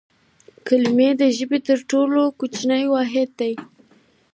کلیمه د ژبي تر ټولو کوچنی واحد دئ.